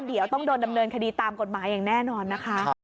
เดี๋ยวต้องโดนดำเนินคดีตามกฎหมายอย่างแน่นอนนะคะ